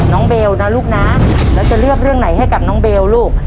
เบลนะลูกนะแล้วจะเลือกเรื่องไหนให้กับน้องเบลลูก